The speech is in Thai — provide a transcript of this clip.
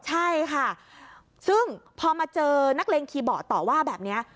ใช่ค่ะซึ่งพอมาเจอนักเลงคีย์บอร์ดต่อว่าแบบนี้